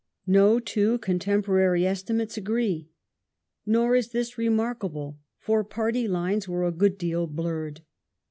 No two contemporary estimates agree. Nor is this remarkable, for party lines were a good deal blurred.